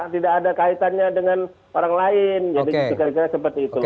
tidak ada kaitannya dengan orang lain jadi kira kira seperti itu